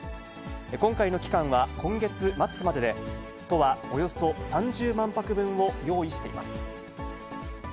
今回の期間は今月末までで、都はおよそ３０万泊分を用意しています。